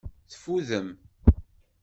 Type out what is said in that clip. Teffudem.